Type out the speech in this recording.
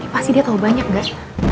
pasti dia tahu banyak gak